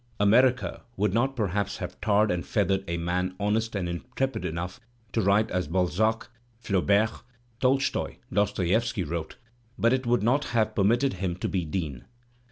America would not perhaps have tarred and feathered a man honest and intrepid enough to write as Balzac, Flau bert, Tolstoy, Dostoievski wrote, but it would not have permitted him to be Dean.